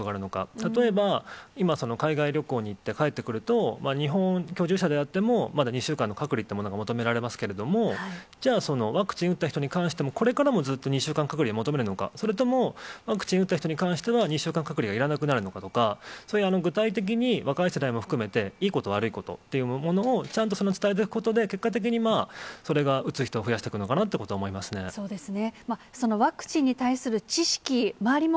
例えば、今、海外旅行に行って帰ってくると、日本居住者であっても、まだ２週間の隔離というものが求められますけれども、じゃあ、ワクチン打った人に対しても、これからもずっと２週間隔離を求めるのか、それとも、ワクチン打った人に関しては、２週間隔離はいらなくなるのかとか、そういう、具体的に若い世代も含めて、いいこと、悪いことっていうものを、ちゃんと伝えていくことで、結果的にそれが打つ人を増やしていくのかなということを思いますね。